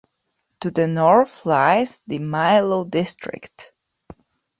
To the north lies the Mahlow district.